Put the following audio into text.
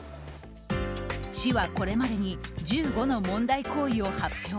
市はこれまでに１５の問題行為を発表。